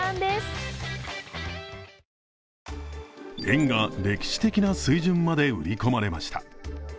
円が歴史的な水準まで売り込まれました。